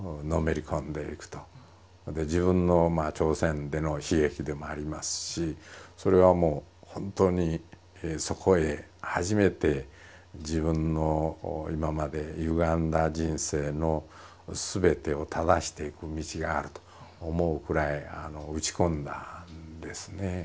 自分の朝鮮での悲劇でもありますしそれはもう本当にそこへ初めて自分の今までゆがんだ人生の全てを正していく道があると思うくらい打ち込んだんですね。